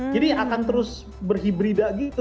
jadi akan terus berhibrida gitu